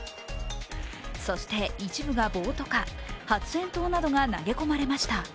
そして一部が暴徒化、発炎筒などが投げ込まれました。